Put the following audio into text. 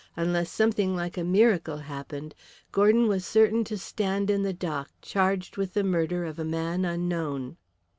Unless something like a miracle happened Gordon was certain to stand in the dock charged with the murder of a man unknown.